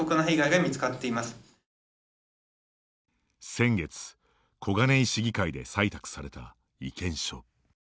先月、小金井市議会で採択された意見書。